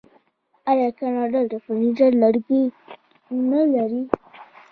آیا کاناډا د فرنیچر لرګي نلري؟